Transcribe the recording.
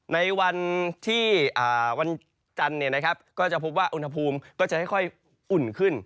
ในวันที่วันจันทร์ก็จะพบว่าอุณหภูมิก็จะค่อยอุ่นขึ้น